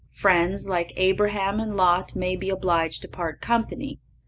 Friends, like Abraham and Lot, may be obliged to part company.